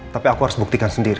tapi aku harus buktikan sendiri